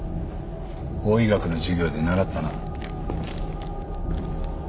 法医学の授業で習ったな。